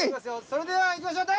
それではいきましょう。